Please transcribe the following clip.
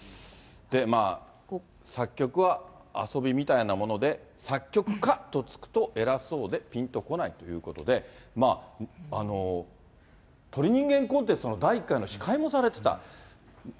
作曲は遊びみたいなもので、作曲家と付くと偉そうでぴんと来ないということで、鳥人間コンテストの第１回の司会もされてた。